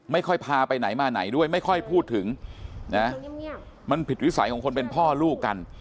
ไม่ค่อยพาไปไหนมาไหนด้วยไม่ค่อยพูดถึงนะมันผิดวิสัยของคนเป็นพ่อลูกกัน